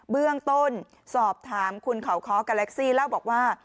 เบื้องต้นสอบถามคุณเขาค้อกาแล็กซี่เล่าบอกว่า